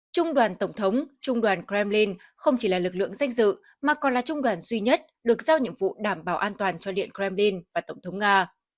trung đoàn tổng thống trung đoàn kremlin không chỉ là lực lượng danh dự mà còn là trung đoàn duy nhất được giao nhiệm vụ đảm bảo an toàn cho điện kremlin và tổng thống nga